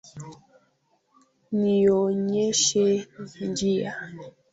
Nionyeshe njia.